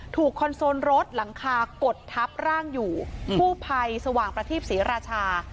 คอนโซลรถหลังคากดทับร่างอยู่กู้ภัยสว่างประทีปศรีราชา